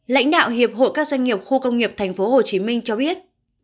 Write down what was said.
lãnh đạo hiệp hội các doanh nghiệp khu công nghiệp thành phố hồ chí minh cho biết